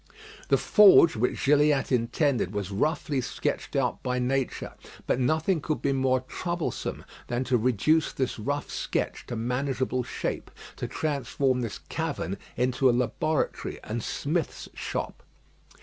The forge which Gilliatt intended was roughly sketched out by nature; but nothing could be more troublesome than to reduce this rough sketch to manageable shape, to transform this cavern into a laboratory and smith's shop.